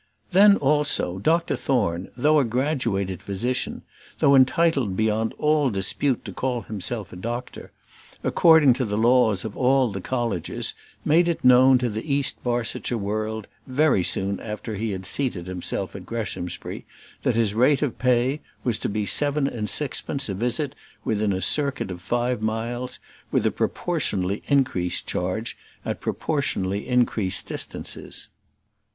Then, also, Dr Thorne, though a graduated physician, though entitled beyond all dispute to call himself a doctor, according to all the laws of all the colleges, made it known to the East Barsetshire world, very soon after he had seated himself at Greshamsbury, that his rate of pay was to be seven and sixpence a visit within a circuit of five miles, with a proportionally increased charge at proportionally increased distances.